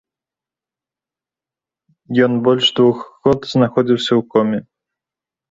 Ён больш двух год знаходзіўся ў коме.